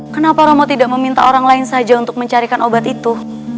kenapa romo tidak meminta orang lain saja untuk mencarikan obat itu